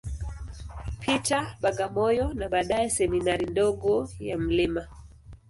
Peter, Bagamoyo, na baadaye Seminari ndogo ya Mt.